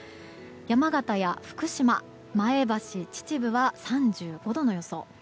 山形や福島前橋、秩父は３５度の予想。